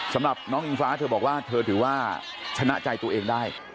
สำหรับน้องอิงฟ้าเธอบอกว่าเธอถือว่าชนะใจตัวเองได้